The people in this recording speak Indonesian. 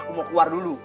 aku mau keluar dulu